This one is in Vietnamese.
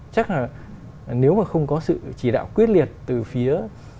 chắc là nếu mà không có sự chỉ đạo quyết liệt từ phía